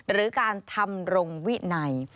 หรือการทำรงวินัย